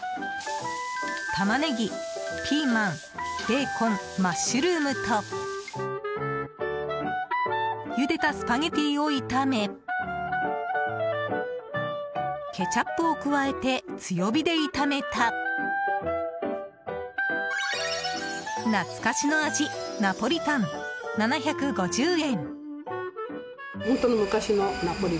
タマネギ、ピーマンベーコン、マッシュルームとゆでたスパゲッティを炒めケチャップを加えて強火で炒めた懐かしの味ナポリタン、７５０円。